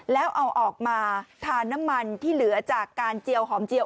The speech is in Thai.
แล้วเอาออกมาทานน้ำมันที่เหลือจากการเจียวหอมเจียว